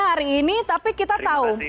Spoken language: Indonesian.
hari ini tapi kita tahu